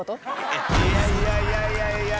いやいやいやいや。